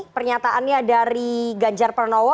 pernyataannya dari ganjar pernowo